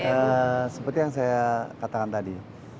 jadi seperti yang saya katakan tadi